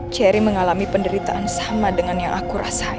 cherry mengalami penderitaan sama dengan yang aku rasain